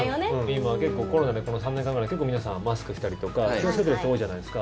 今、コロナでこの３年間くらい結構、皆さんマスクしたりとか気をつけてる人多いじゃないですか。